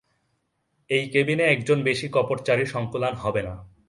এই কেবিনে একজনের বেশি কপটচারীর সংকুলান হবে না।